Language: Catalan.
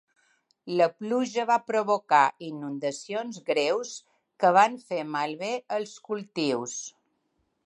La pluja va provocar inundacions greus que van fer malbé els cultius.